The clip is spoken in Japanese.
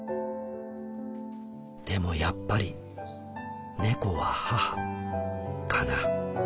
でもやっぱり猫は母かな。